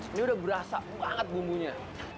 ini udah berasa banget bumbunya